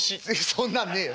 そんなんねえよ。